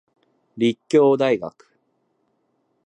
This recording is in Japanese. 立教大学